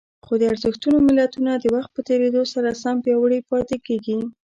خو د ارزښتونو ملتونه د وخت په تېرېدو سره هم پياوړي پاتې کېږي.